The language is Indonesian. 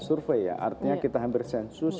survei ya artinya kita hampir sensus